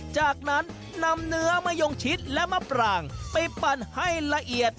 จากนั้นนำเนื้อมะยงชิดและมะปรางไปปั่นให้ละเอียด